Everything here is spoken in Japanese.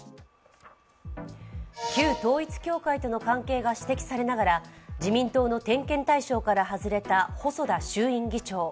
旧統一教会との関係が指摘されながら、自民党の点検対象から外れた細田衆院議長。